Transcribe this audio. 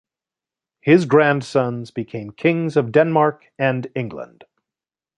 His grandsons became kings of Denmark and England.